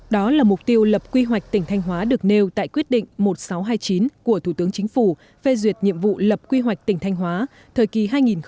đó là mục tiêu lập quy hoạch tỉnh thanh hóa được nêu tại quyết định một nghìn sáu trăm hai mươi chín của thủ tướng chính phủ phê duyệt nhiệm vụ lập quy hoạch tỉnh thanh hóa thời kỳ hai nghìn hai mươi một hai nghìn ba mươi